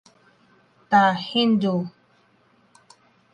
The Hindu.